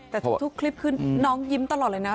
แต่ทุกคลิปคือน้องยิ้มตลอดเลยนะ